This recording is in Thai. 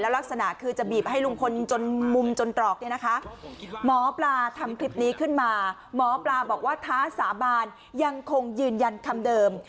ลักษณะคือจะบีบให้ลุงพลจนมุมจนตรอกเนี่ยนะคะหมอปลาทำคลิปนี้ขึ้นมาหมอปลาบอกว่าท้าสาบานยังคงยืนยันคำเดิม